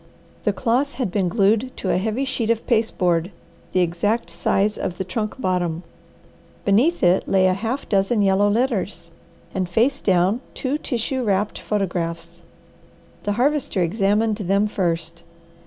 The cloth had been glued to a heavy sheet of pasteboard the exact size of the trunk bottom. Beneath it lay half a dozen yellow letters, and face down two tissue wrapped photographs. The Harvester examined them first.